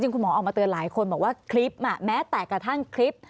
คุณหมอออกมาเตือนหลายคนบอกว่าคลิปแม้แต่กระทั่งคลิป